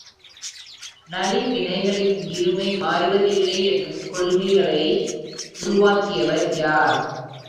நலிவினைகளின் இருமை மாறுவதில்லை என்னும் கொள்கைளை உருவாக்கியவர் யார்?